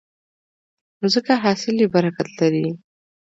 نو ځکه حاصل یې برکت لري.